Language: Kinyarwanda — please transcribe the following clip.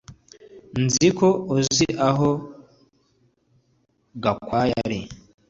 Nzi ko uzi aho Gakwaya ari